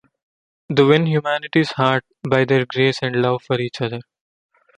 They win humanity's heart by their grace and love for each other.